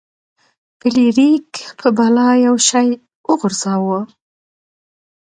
فلیریک په بلا یو شی وغورځاوه.